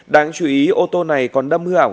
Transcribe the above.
đáng chú ý ô tô này còn đâm hư ảo